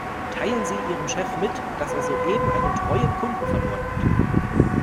Teilen Sie Ihrem Chef mit, dass er soeben einen treuen Kunden verloren hat.